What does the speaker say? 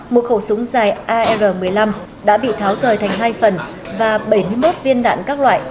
một khẩu súng dài ar một mươi năm đã bị tháo rời thành hai phần và bảy mươi một viên đạn các loại